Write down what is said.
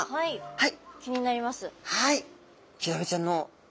はい。